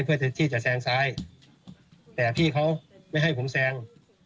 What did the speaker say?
เพื่อที่จะแซงซ้ายแต่พี่เขาไม่ให้ผมแซง